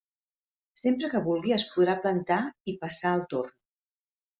Sempre que vulgui es podrà plantar i passar el torn.